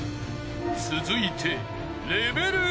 ［続いて］